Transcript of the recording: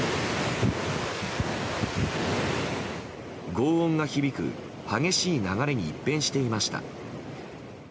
轟音が響く激しい流れに一変していました。